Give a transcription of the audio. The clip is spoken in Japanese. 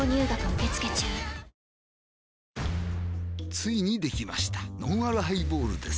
ついにできましたのんあるハイボールです